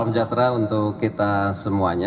salam sejahtera untuk kita semuanya